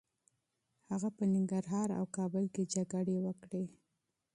هغه په ننګرهار او کابل کي جګړې وکړې.